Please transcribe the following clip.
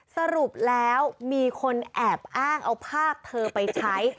สรุปแล้วมีคนแอบอ้างเอาภาพเธอไปใช้